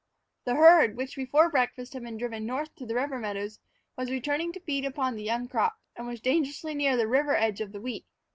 The herd, which before breakfast had been driven north to the river meadows, was returning to feed upon the young crops, and was dangerously near the river edge of the wheat.